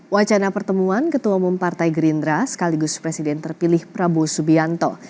wacana pertemuan ketua umum partai gerindra sekaligus presiden terpilih prabowo subianto